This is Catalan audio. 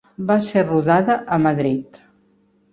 Va ser rodada a Madrid.